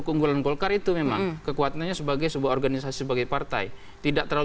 keunggulan golkar itu memang kekuatannya sebagai sebuah organisasi sebagai partai tidak terlalu